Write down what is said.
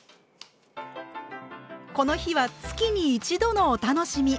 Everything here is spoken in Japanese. この日は月に一度のお楽しみ！